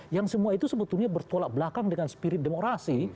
yang semua itu sebetulnya bertolak belakang dengan spirit demokrasi